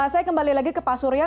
saya kembali lagi ke pak surya